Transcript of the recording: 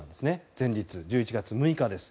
前日の１１月６日です。